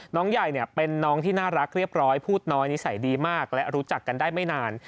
น้องใหญ่เป็นน้องที่น่ารักเรียบร้อยพูดน้อยนิสัยดีมากและรู้จักกันได้ไม่นาน